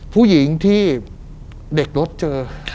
ผู้หญิงที่เด็กรถเจอ